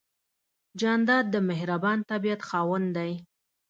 جانداد د مهربان طبیعت خاوند دی.